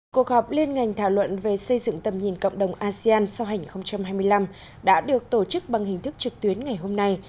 cuộc họp liên ngành thảo luận về xây dựng tầm nhìn cộng đồng asean sau hành hai mươi năm đã được tổ chức bằng hình thức trực tuyến ngày hôm nay